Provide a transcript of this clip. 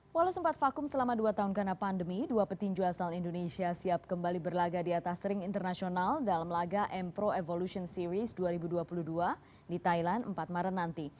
walau sempat vakum selama dua tahun karena pandemi dua petinju asal indonesia siap kembali berlaga di atas ring internasional dalam laga m pro evolution series dua ribu dua puluh dua di thailand empat maret nanti